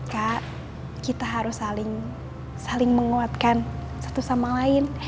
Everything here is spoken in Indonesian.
kak kita harus saling menguatkan satu sama lain